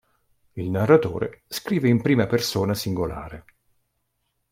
Il narratore scrive in prima persona singolare.